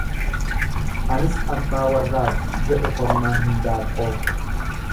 Anis abbaa warraati jedhe kormaan hindaaqqoo.